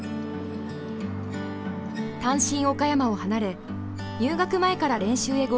単身岡山を離れ入学前から練習へ合流することに。